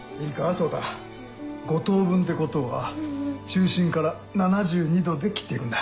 颯太５等分ってことは中心から７２度で切って行くんだ。